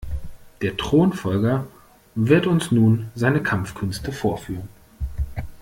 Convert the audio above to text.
Der Thronfolger wird uns nun seine Kampfkünste vorführen.